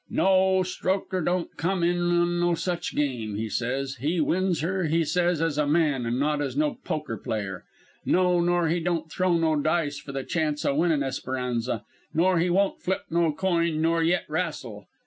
"No, Strokher don't come in on no such game, he says. He wins her, he says, as a man, and not as no poker player. No, nor he won't throw no dice for the chance o' winnin' Esperanza, nor he won't flip no coin, nor yet 'rastle.